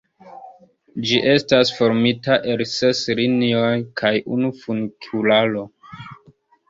Ĝi estas formita el ses linioj kaj unu funikularo.